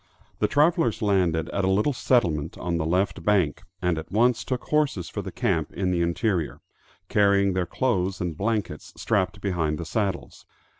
The travelers landed at a little settlement on the left bank, and at once took horses for the camp in the interior, carrying their clothes and blankets strapped behind the saddles.